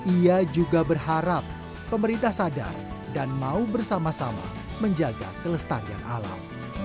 ia juga berharap pemerintah sadar dan mau bersama sama menjaga kelestarian alam